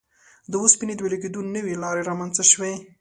د اوسپنې د وېلې کېدو نوې لارې رامنځته شوې.